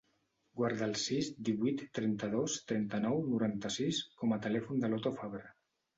Guarda el sis, divuit, trenta-dos, trenta-nou, noranta-sis com a telèfon de l'Oto Fabre.